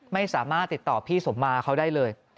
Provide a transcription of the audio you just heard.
ไม่สามารถติดต่อพี่สมมาเขาได้เลย